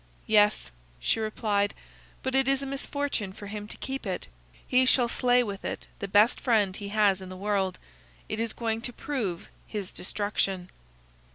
"Yes," she replied, "but it is a misfortune for him to keep it. He shall slay with it the best friend he has in the world. It is going to prove his destruction."